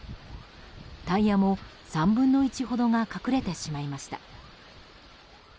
タイヤも３分の１ほどが隠れてしまいました。